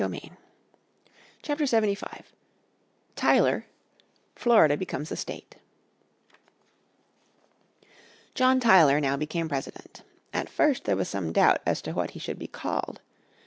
__________ Chapter 75 Tyler Florida Becomes a State John Tyler now became President. At first there was some doubt as to what he should be called.